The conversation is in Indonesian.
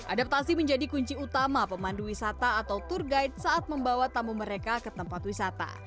adaptasi menjadi kunci utama pemandu wisata atau tour guide saat membawa tamu mereka ke tempat wisata